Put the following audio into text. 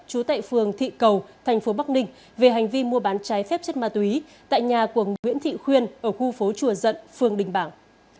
chú tại phường thị cầu thành phố bắc ninh về hành vi mua bán trái phép chất ma túy tại nhà của nguyễn thị khuyên ở khu phố chùa dận phường đình bảng